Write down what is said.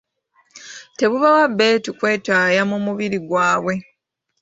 Tebubawa bbeetu kwetaaya mu mubiri gwabwe.